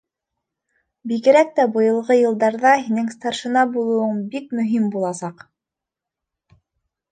Бигерәк тә быйылғы йылдарҙа һинең старшина булыуың бик мөһим буласаҡ.